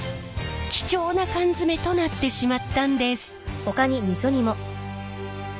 貴重な缶詰となってしまったんです。